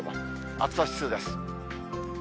暑さ指数です。